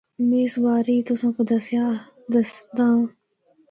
میں اس بارے ای تُساں کو دسداں آں۔